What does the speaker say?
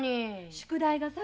宿題が先。